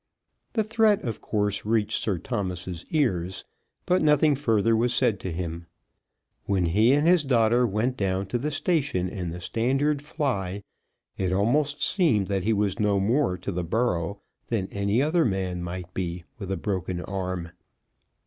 The threat of course reached Sir Thomas's ears, but nothing further was said to him. When he and his daughter went down to the station in the Standard fly, it almost seemed that he was no more to the borough than any other man might be with a broken arm.